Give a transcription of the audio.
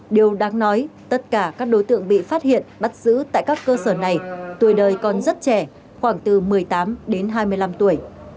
điều đáng nói tất cả các đối tượng bị phát hiện bắt giữ tại các cơ sở này tuổi đời còn rất trẻ khoảng từ một mươi tám đến hai mươi năm tuổi